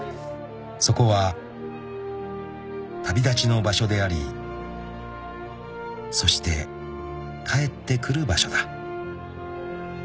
［そこは旅立ちの場所でありそして帰ってくる場所だ］